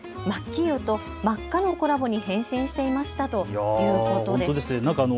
黄色と真っ赤のコラボに変身していましたということです。